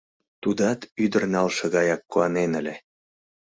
Тудат ӱдыр налше гаяк куанен ыле.